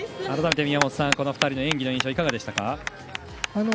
改めて、宮本さんこの２人の演技の印象はいかがでしたか。